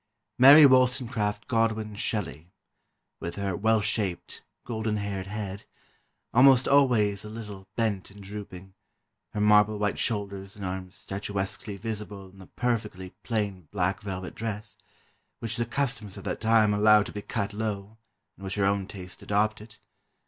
] "Mary Wollstonecraft Godwin Shelley, with her well shaped, golden haired head, almost always a little bent and drooping; her marble white shoulders and arms statuesquely visible in the perfectly plain black velvet dress, which the customs of that time allowed to be cut low, and which her own taste adopted